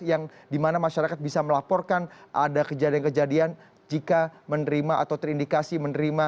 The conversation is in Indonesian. yang dimana masyarakat bisa melaporkan ada kejadian kejadian jika menerima atau terindikasi menerima